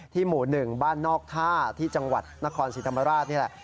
หมู่๑บ้านนอกท่าที่จังหวัดนครศรีธรรมราชนี่แหละ